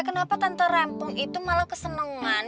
kenapa tante rempong itu malah kesenangan